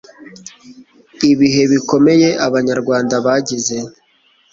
ibihe bikomeye abanyarwanda bagize